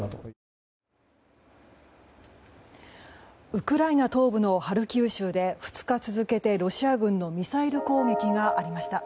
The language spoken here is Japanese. ウクライナ東部のハルキウ州で２日続けて、ロシア軍のミサイル攻撃がありました。